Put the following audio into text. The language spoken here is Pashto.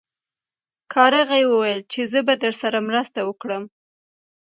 کارغې وویل چې زه به درسره مرسته وکړم.